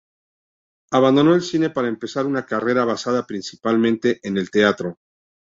Abandonó el cine para empezar una carrera basada principalmente en el teatro.